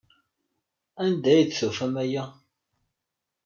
Anda ay d-tufam aya?